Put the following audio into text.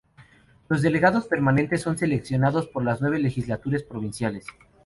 Los delegados permanentes son seleccionados por las nueve legislaturas provinciales.